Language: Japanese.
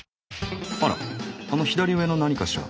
あらあの左上の何かしら？